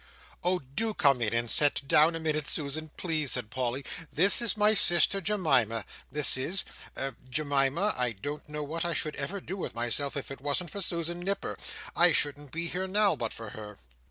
"Oh do come in and sit down a minute, Susan, please," said Polly. "This is my sister Jemima, this is. Jemima, I don't know what I should ever do with myself, if it wasn't for Susan Nipper; I shouldn't be here now but for her."